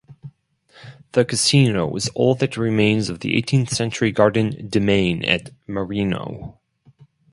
The Casino is all that remains of the eighteenth-century garden demesne at Marino.